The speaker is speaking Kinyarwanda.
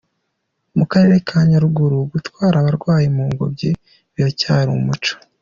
Mu karere ka Nyaruguru gutwara abarwayi mu ngobyi biracyari umuco.